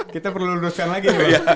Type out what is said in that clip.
kita perlu luruskan lagi